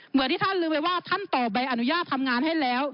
เหมือนที่ท่านลืมไปว่าท่านต่อใบอนุญาตทำงานให้แล้ว